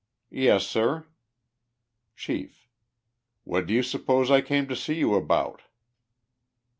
—*• Yes. sir." Chief. — u What do you suppose I came to see you about *?